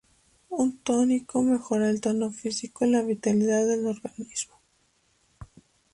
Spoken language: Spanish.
Un tónico mejora el tono físico y la vitalidad del organismo.